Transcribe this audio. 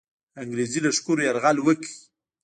انګرېزي لښکرو یرغل وکړ.